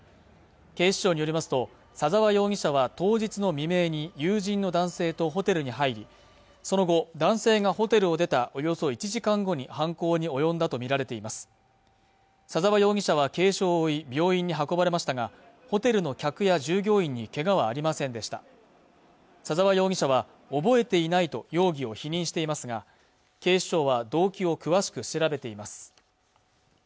警視庁によりますと左沢容疑者は当日の未明に友人の男性とホテルに入りその後男性がホテルを出たおよそ１時間後に犯行に及んだと見られています左沢容疑者は軽傷を負い病院に運ばれましたがホテルの客や従業員にけがはありませんでした左沢容疑者は覚えていないと容疑を否認していますが警視庁は動機を詳しく調べています